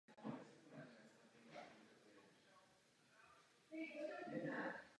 Zdá se, že mezi nimi existuje určitá kontroverze.